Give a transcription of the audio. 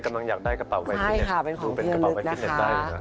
คือเป็นกระเป๋าไทยคิตเน็ตได้